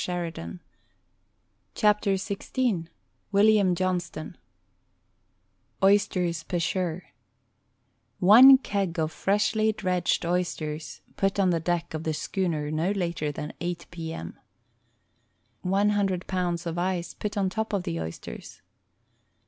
WRITTEN FOR MEN BY MEN XVI William Johnston OYSTERS PECHEUR One keg of freshly dredged oysters put on the deck of the schooner not later than eight p. m. One hundred pounds of ice put on top of the oysters.